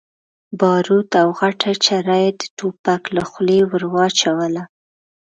باروت او غټه چره يې د ټوپک له خولې ور واچوله.